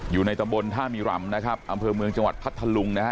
อยู่ในตำบลท่ามีรำนะครับอำเภอเมืองจังหวัดพัทธลุงนะฮะ